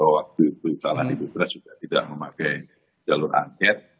waktu itu di kuala milpres juga tidak memakai jalur angket